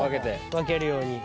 分けるように。